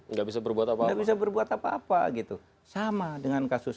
nggak bisa berbuat apa nggak bisa berbuat apa apa gitu sama dengan kasus